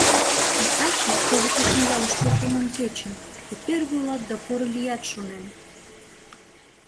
А таче, теве шочмо ялыш пӧртылмем кечын, тый первый улат да поро лият, шонем.